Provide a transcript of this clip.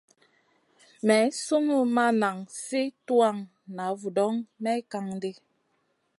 Maï sungu ma nan sli tuwan na vudoŋ may kan ɗi.